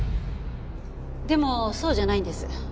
でもそうじゃないんです。